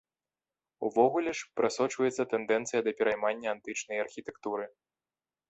Увогуле ж, прасочваецца тэндэнцыя да пераймання антычнай архітэктуры.